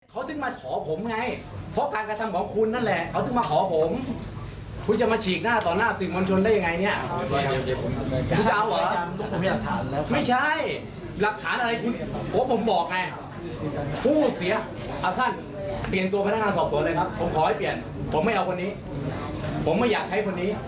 ผมไม่เอาคนนี้ผมไม่อยากใช้คนนี้